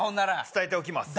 伝えておきます